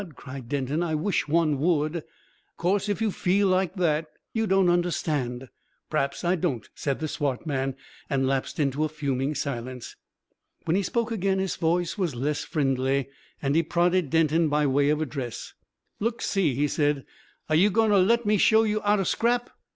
cried Denton; "I wish one would." "Of course, if you feel like that " "You don't understand." "P'raps I don't," said the swart man; and lapsed into a fuming silence. When he spoke again his voice was less friendly, and he prodded Denton by way of address. "Look see!" he said: "are you going to let me show you 'ow to scrap?"